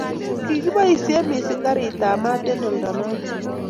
Kikiboisie mising karikab maat eng' oldonoto.